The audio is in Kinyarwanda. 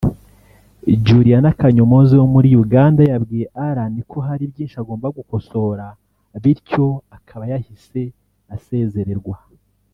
Juliana Kanyomozi wo muri Uganda yabwiye Allan ko hari byinshi agomba gukosora bityo akaba yahise asezererwa